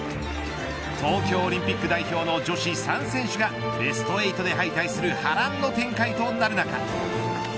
東京オリンピック代表の女子３選手がベスト８で敗退する波乱の展開となる中。